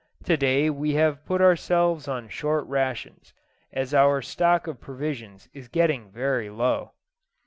To day we have put ourselves on short rations, as our stock of provisions is getting very low.